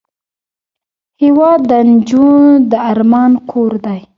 هېواد د نجو د ارمان کور دی.